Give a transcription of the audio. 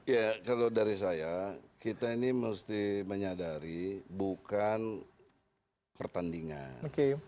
ya kalau dari saya kita ini mesti menyadari bukan pertandingan